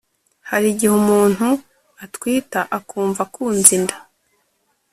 hari igihe umuntu atwita akumva akunze inda